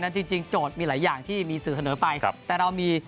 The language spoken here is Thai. จริงจริงโจทย์มีหลายอย่างที่มีสื่อเสนอไปครับแต่เรามี